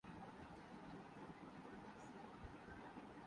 مظلومانہ مارا جانا ایک اور بات ہے۔